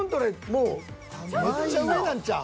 もうめっちゃ上なんちゃうん？